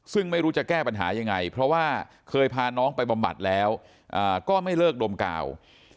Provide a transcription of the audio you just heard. ซึ่งไม่รู้จะแก้ปัญหายังไงเพราะว่าเคยพาน้องไปบำบัดแล้วก็ไม่เลิกดมกาว